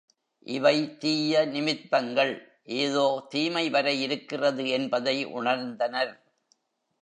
இவை தீய நிமித்தங்கள், ஏதோ தீமை வர இருக்கிறது என்பதை உணர்ந்தனர்.